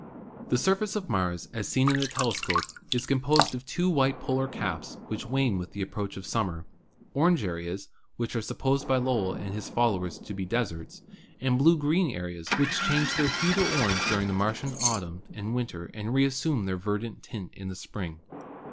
The surface of Mars, as seen in the telescope, is com posed of two white polar caps, which wane with the ap proach of summer; orange areas, which are supposed by Lowell and his followers to be deserts, and blue green areas, which change their hue to orange during the Mar tian autumn and winter and reassume their verdant tint in spring.